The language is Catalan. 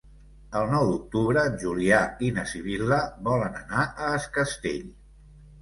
El nou d'octubre en Julià i na Sibil·la volen anar a Es Castell.